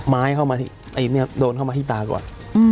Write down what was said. ไม้เข้ามาที่ตาก่อน